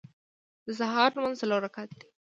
د سهار لمونځ څلور رکعته دی.